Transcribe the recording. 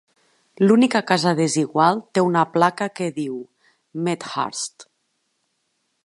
L'única casa desigual té una placa que diu "Medhurst".